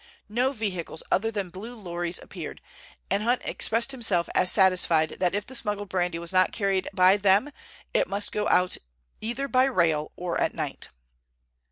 No vehicles other than blue lorries appeared, and Hunt expressed himself as satisfied that if the smuggled brandy was not carried by them it must go either by rail or at night.